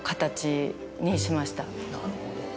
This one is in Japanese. なるほど。